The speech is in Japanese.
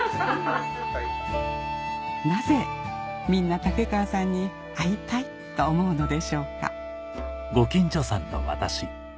なぜみんな竹川さんに会いたいと思うのでしょうか